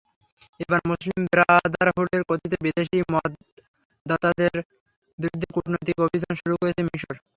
এবার মুসিলম ব্রাদারহুডের কথিত বিদেশি মদদদাতাদের বিরুদ্ধে কূটনৈতিক অভিযান শুরু করেছে মিসর।